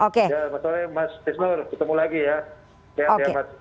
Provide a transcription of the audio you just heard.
selamat sore mas isnur ketemu lagi ya